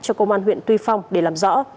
cho công an huyện tuy phong để làm rõ